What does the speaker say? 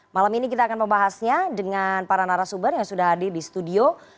malam ini kita akan membahasnya dengan para narasumber yang sudah hadir di studio